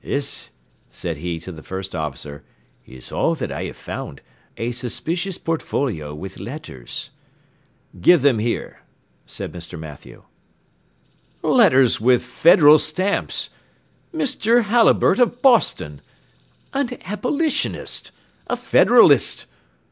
"This," said he to the first officer, "is all that I have found; a suspicious portfolio with letters." "Give them here," said Mr. Mathew. "Letters with Federal stamps! Mr. Halliburtt, of Boston! An Abolitionist! a Federalist!